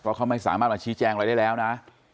เพราะเขาไม่สามารถมาชี้แจงอะไรได้แล้วนะ